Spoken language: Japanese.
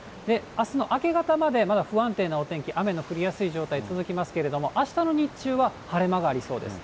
あすの明け方までまだ不安定なお天気、雨の降りやすい状態、続きますけれども、あしたの日中は晴れ間がありそうです。